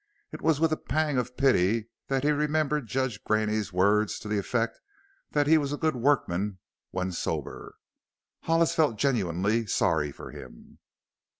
It was with a pang of pity that he remembered Judge Graney's words to the effect that he was a good workman "when sober." Hollis felt genuinely sorry for him.